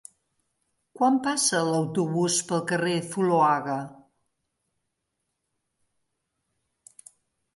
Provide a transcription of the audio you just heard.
Quan passa l'autobús pel carrer Zuloaga?